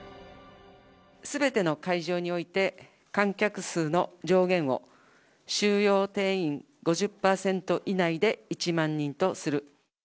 すべての会場において、観客数の上限を、収容定員５０％以内で１万人とする。